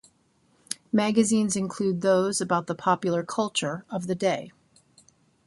Magazines include those about the popular culture of the day.